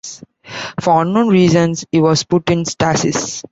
For unknown reasons, he was put in stasis.